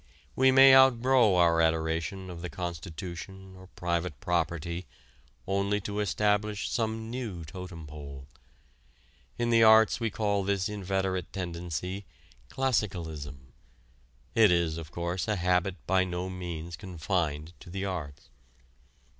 We may outgrow our adoration of the Constitution or Private Property only to establish some new totem pole. In the arts we call this inveterate tendency classicalism. It is, of course, a habit by no means confined to the arts.